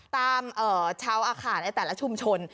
ตามชาวอาคารในแต่ละชุมชน